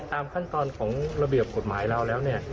ตามขั้นตอนของระเบียบกฎหมายเราแล้วเนี่ย